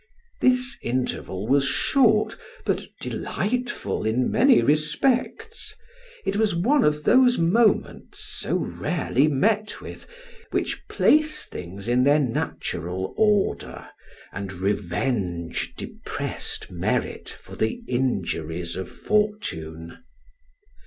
This interval was short, but delightful in many respects; it was one of those moments so rarely met with, which place things in their natural order, and revenge depressed merit for the injuries of fortune.